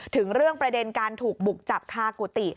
ถึงเรื่องประเด็นการถูกบุกจับคากุฏิ